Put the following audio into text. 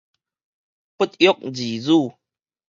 不藥而癒